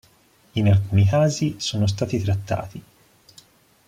In alcuni casi sono stati trattati.